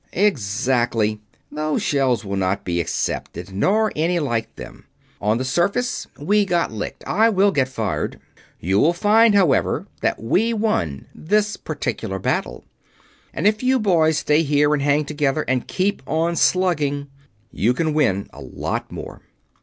"Exactly. Those shell will not be accepted, nor any like them. On the surface, we got licked. I will get fired. You will find, however, that we won this particular battle. And if you boys stay here and hang together and keep on slugging you can win a lot more."